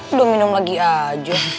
udah minum lagi aja